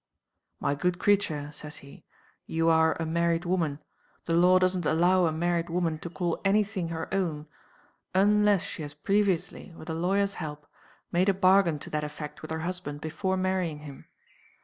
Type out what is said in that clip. "'My good creature,' says he, 'you are a married woman. The law doesn't allow a married woman to call any thing her own unless she has previously (with a lawyer's help) made a bargain to that effect with her husband before marrying him.